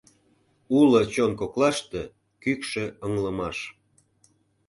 Уло чон коклаште Кӱкшӧ ыҥлымаш.